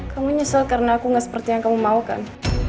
kamu nyesel karena aku gak seperti yang kamu maukan